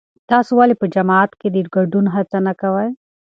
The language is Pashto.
تاسو ولې په جماعت کې د ګډون هڅه نه کوئ؟